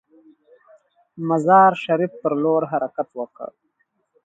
مزار شریف پر لور حرکت وکړ.